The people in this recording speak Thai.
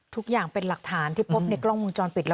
ทุกอย่างเป็นหลักฐานที่พบในกล้องวงจรปิดแล้ว